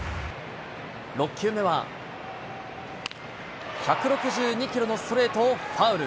６球目は、１６２キロのストレートをファウル。